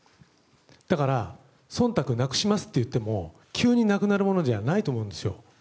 だから、忖度なくしますと言っても急になくなるものじゃないと思うんですよ。